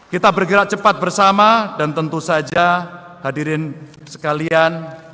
kita bergerak cepat bersama dan tentu saja hadirin sekalian